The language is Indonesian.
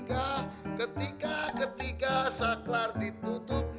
dan ketika ketika saklar ditutup